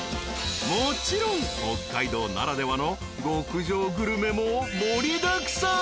［もちろん北海道ならではの極上グルメも盛りだくさん！］